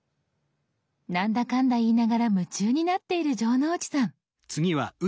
何だかんだ言いながら夢中になっている城之内さん。